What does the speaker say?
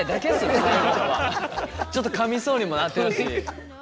ちょっとかみそうにもなってるし。